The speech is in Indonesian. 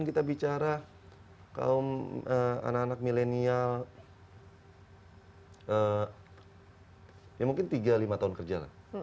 kita bicara kaum anak anak milenial hai eh ya mungkin tiga lima tahun kerja